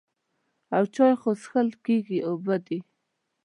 او چای خو څښل کېږي اوبه دي.